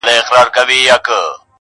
چي د شپې یې رنګارنګ خواړه خوړله -